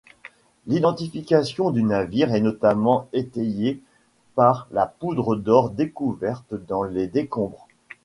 L'identification du navire est notamment étayée par la poudre d'or découverte dans les décombres.